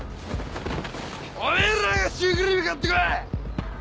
お前らがシュークリーム買ってこい！